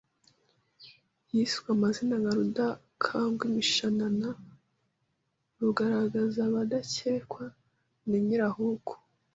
yiswe amazina nka Rudakangwimishanana, Rugaragazabadakekwa na Nyirahuku